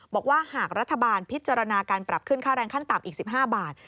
บอกว่าหากรัฐบาลพิจารณาการปรับขึ้นค่าแรงขั้นต่ำอีก๑๕บาท